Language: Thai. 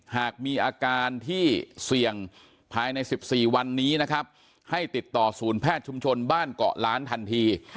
หากมีอาการที่เสี่ยงภายใน๑๔วันนี้นะครับให้ติดต่อศูนย์แพทย์ชุมชนบ้านเกาะล้านทันที